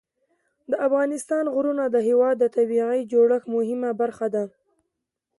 د افغانستان غرونه د هېواد د طبیعي جوړښت مهمه برخه ده.